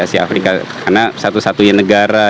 asia afrika karena satu satunya negara